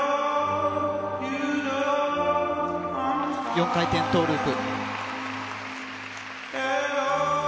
４回転トウループ。